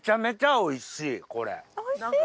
おいしい！